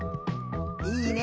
いいね。